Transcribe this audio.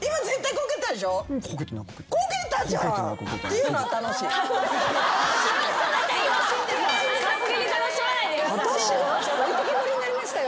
置いてきぼりになりましたよ。